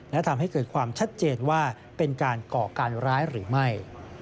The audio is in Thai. และทำให้เกิดความชัดเจนว่าเป็นการก่อการร้ายหรือไม่